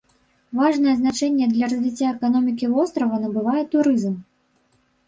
Важнае значэнне для развіцця эканомікі вострава набывае турызм.